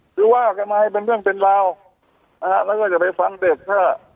หรือว่าเป็นเรื่องเป็นราวมันก็จะไปฟังเด็ก